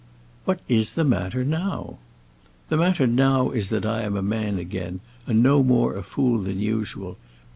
"What is the matter now?" "The matter now is that I am a man again, and no more a fool than usual.